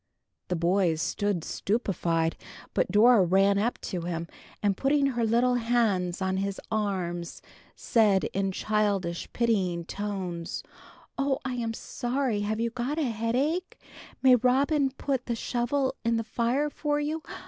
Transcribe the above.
The boys stood stupefied, but Dora ran up to him, and putting her little hands on his arms, said, in childish pitying tones, "Oh, I am so sorry! Have you got a headache? May Robin put the shovel in the fire for you?